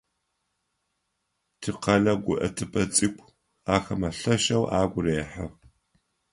Тикъэлэ гуӏэтыпӏэ цӏыкӏу ахэмэ лъэшэу агу рехьы.